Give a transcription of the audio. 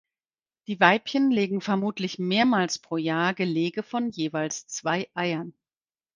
Die Weibchen legen vermutlich mehrmals pro Jahr Gelege von jeweils zwei Eiern.